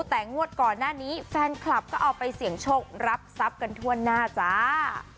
แต่งวดก่อนหน้านี้แฟนคลับก็เอาไปเสี่ยงโชครับทรัพย์กันทั่วหน้าจ้า